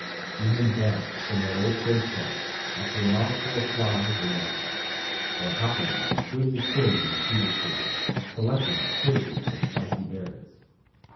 See him dash from that old fence post after a mouthful of flies or gnats; or hopping from twig to twig in the cedar tree, selecting the choicest of the spicy berries.